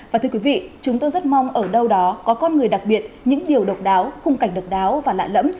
và thưa quý vị chúng tôi rất mong ở đâu đó có con người đặc biệt những điều độc đáo khung cảnh độc đáo và lạ lẫm